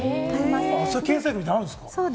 検査薬みたいなのがあるんですか？